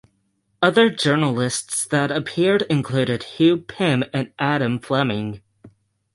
Other journalists that appeared included Hugh Pym and Adam Fleming.